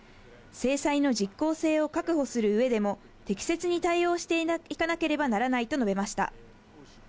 制裁の実効性を確保する上でも適切に対応していかなければならないと述べました。